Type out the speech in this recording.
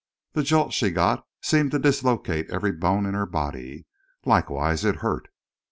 The jolt she got seemed to dislocate every bone in her body. Likewise it hurt.